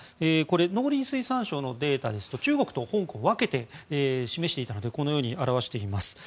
農林水産省のデータですと中国と香港を分けて示していたのでこのように表しています。